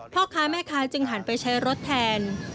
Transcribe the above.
พ่อค้าแม่ค้าจึงหันไปใช้รถแทน